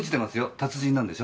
達人なんでしょ。